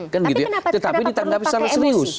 tapi kenapa perlu pakai emosi